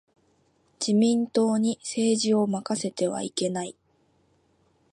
自民党に政治を任せてはいけない。